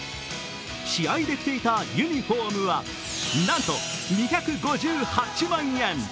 試合で着ていたユニフォームは、なんと２５８万円。